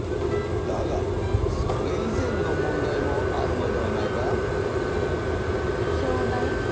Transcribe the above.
だがそれい前の問題もあるのではないか？